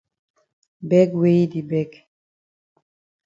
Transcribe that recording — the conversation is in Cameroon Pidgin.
Beg wey yi di beg.